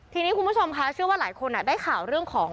ทีนี้คุณผู้ชมค่ะเชื่อว่าหลายคนได้ข่าวเรื่องของ